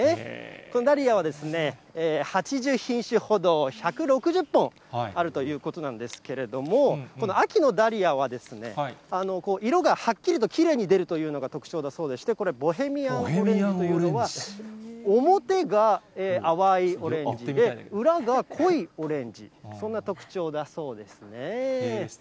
このダリアは８０品種ほど、１６０本あるということなんですけれども、秋のダリアは、色がはっきりときれいに出るというのが特徴だそうでして、これ、ボヘミアン・オレンジというのは、表が淡いオレンジで、裏が濃いオレンジ、そんな特徴だそうですね。